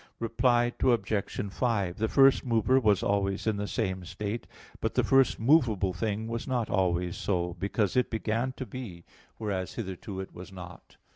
Reply Obj. 5: The first mover was always in the same state: but the first movable thing was not always so, because it began to be whereas hitherto it was not.